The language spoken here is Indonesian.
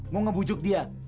mau ngebujuk dia